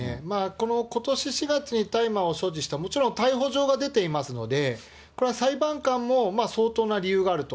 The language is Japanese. このことし４月に大麻を所持した、もちろん逮捕状が出ていますので、これは裁判官も相当な理由があると。